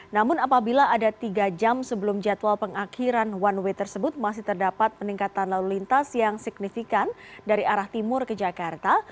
namun apabila ada tiga jam sebelum jadwal pengakhiran one way tersebut masih terdapat peningkatan lalu lintas yang signifikan dari arah timur ke jakarta